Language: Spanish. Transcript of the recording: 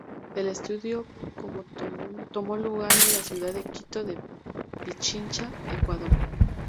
El estudio tomó lugar en la ciudad de Quito, Pichincha, Ecuador.